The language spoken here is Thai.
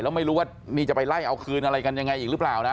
แล้วไม่รู้ว่านี่จะไปไล่เอาคืนอะไรกันยังไงอีกหรือเปล่านะ